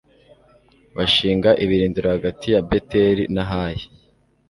bashinga ibirindiro hagati ya beteli na hayi